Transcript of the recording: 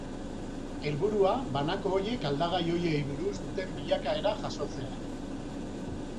Helburua, banako horiek aldagai horiei buruz duten bilakaera jasotzea.